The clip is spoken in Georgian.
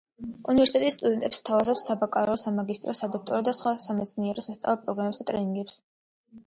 უნივერსიტეტი სტუდენტებს სთავაზობს საბაკალავრო, სამაგისტრო, სადოქტორო და სხვა სამეცნიერო სასწავლო პროგრამებს და ტრენინგებს.